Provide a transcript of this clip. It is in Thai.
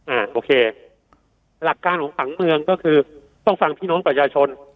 อ่าโอเคหลักการของผังเมืองก็คือต้องฟังพี่น้องประชาชน